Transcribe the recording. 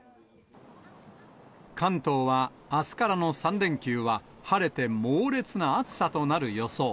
関東は、あすからの３連休は晴れて猛烈な暑さとなる予想。